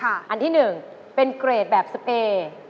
อันที่หนึ่งเป็นเกรดแบบสเปร